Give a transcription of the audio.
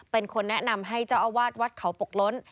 เป็นคนแนะนำให้เจ้าอาวาสวัดเขาปกล้น